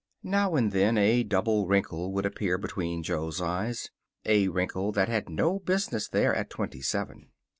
Now and then a double wrinkle would appear between Jo's eyes a wrinkle that had no business there at twenty seven.